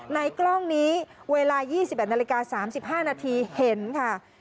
กล้องนี้เวลา๒๑นาฬิกา๓๕นาทีเห็นค่ะ